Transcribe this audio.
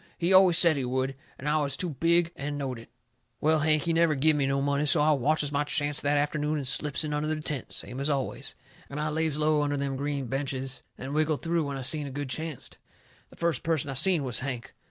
He always said he would. And now I was too big and knowed it. Well, Hank, he never give me no money, so I watches my chancet that afternoon and slips in under the tent the same as always. And I lays low under them green benches and wiggled through when I seen a good chancet. The first person I seen was Hank.